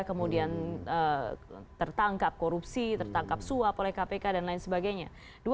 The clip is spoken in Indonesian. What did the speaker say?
kemudian tertangkap korupsi tertangkap suap oleh kpk dan lain sebagainya